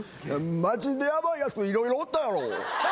マジでヤバいやつ色々おったやろ。